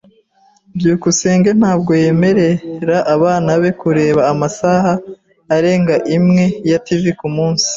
byukusenge ntabwo yemerera abana be kureba amasaha arenga imwe ya TV kumunsi.